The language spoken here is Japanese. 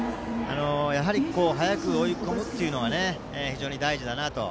早く追い込むというのが非常に大事だなと。